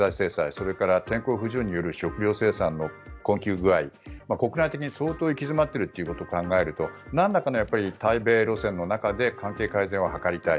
それから天候不順による食糧生産の困窮状態国内的に相当行き詰まっていることを考えるとなんらかの対米路線の中で関係改善を図りたい。